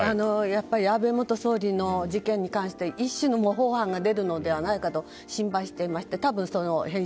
安倍元総理の事件に関して一種の模倣犯が出るのではないかと心配していまして。